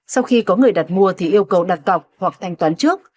sau khi có người đặt mua thì yêu cầu đặt cọc hoặc thanh toán trước